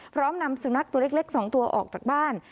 พร้อมนำสุนัขตัวเล็กสองตัวออกจากบ้าน